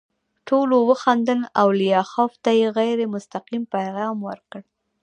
ټولو وخندل او لیاخوف ته یې غیر مستقیم پیغام ورکړ